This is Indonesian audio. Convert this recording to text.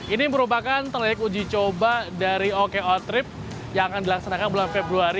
ini merupakan telik uji coba dari oko trip yang akan dilaksanakan bulan februari